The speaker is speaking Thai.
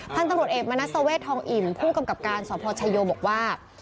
ท่านตรวจเอกมนัสเซาเวชทองอิ่มผู้กำกับการสอบพลชายโยบอกว่า